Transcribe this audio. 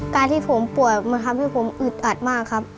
การที่ผมป่วยมันทำให้ผมอึดอัดมากครับ